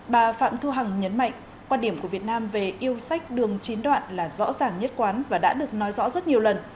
bà phạm thu hằng nhấn mạnh quan điểm của việt nam về yêu sách đường chín đoạn là rõ ràng nhất quán và đã được nói rõ rất nhiều lần